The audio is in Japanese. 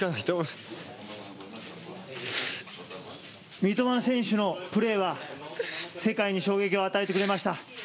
三笘選手のプレーは世界に衝撃を与えました。